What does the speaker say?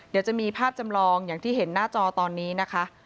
เดี๋ยวจะมีภาพจำลองอย่างที่เห็นหน้าจอตอนนี้นะคะ